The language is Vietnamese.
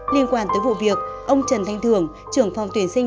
liên quan tới vụ việc ông trần thanh thường trưởng phòng tuyển sinh